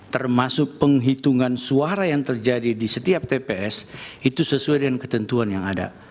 termasuk penghitungan suara yang terjadi di setiap tps itu sesuai dengan ketentuan yang ada